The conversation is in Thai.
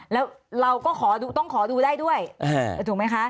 แล้วเราก็ต้องขอดูได้ด้วยถูกไหมคะ